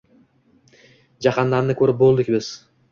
Jahannamni koʼrib boʼldik biz.